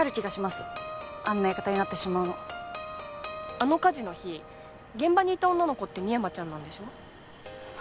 あの火事の日現場にいた女の子って深山ちゃんなんでしょ？